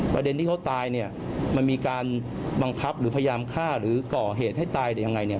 ประเด็นที่เขาตายเนี่ยมันมีการบังคับหรือพยายามฆ่าหรือก่อเหตุให้ตายหรือยังไงเนี่ย